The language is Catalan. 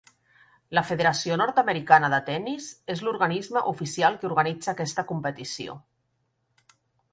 La Federació nord-americana de Tennis és l'organisme oficial que organitza aquesta competició.